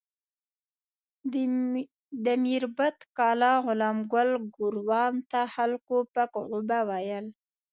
د میربت کلا غلام ګل ګوروان ته خلکو پک غوبه ویل.